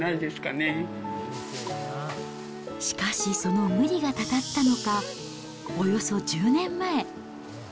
しかし、その無理がたたったのか、およそ１０年前。